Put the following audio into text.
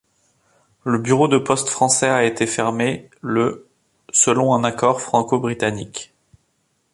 Le bureau de poste français a été fermé le selon un accord franco-britannique.